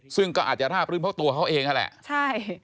ซึ่งก็อาจจะราบรื่นเพราะตัวเขาเองนั่นแหละใช่